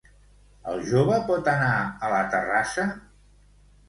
El jove pot anar a la terrassa?